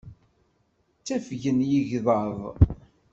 Ttafgen yigḍaḍ.